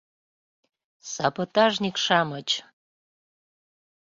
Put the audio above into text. — Саботажник-шамыч!